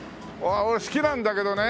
俺好きなんだけどね